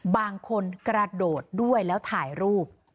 บางคนกระโดดด้วยแล้วถ่ายรูป